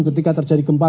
ketika terjadi gempa